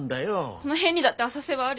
この辺にだって浅瀬はあるよ。